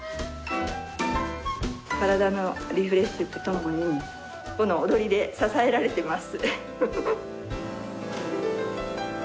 体のリフレッシュとともにこの踊りで支えられてます。